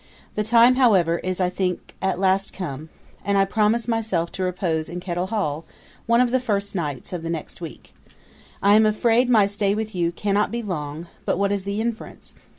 The time, however, is, I think, at last come; and I promise myself to repose in Kettel Hall, one of the first nights of the next week. I am afraid my stay with you cannot be long; but what is the inference?